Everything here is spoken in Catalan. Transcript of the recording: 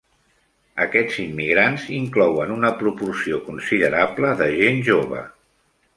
Aquests immigrants inclouen una proporció considerable de gent jove.